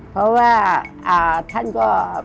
เพราะว่าท่านก็